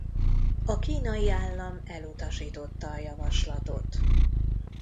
A kínai állam elutasította a javaslatot.